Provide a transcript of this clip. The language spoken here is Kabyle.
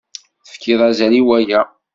Tefkiḍ azal i waya.